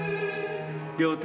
両手。